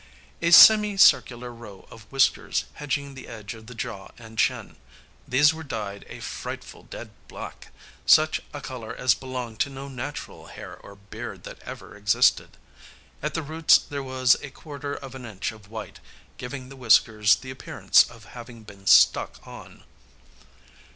A semicircular row of whiskers hedging the edge of the jaw and chin. These were dyed a frightful dead black, such a color as belonged to no natural hair or beard that ever existed. At the roots there was a quarter of an inch of white, giving the whiskers the appearance of having been stuck on.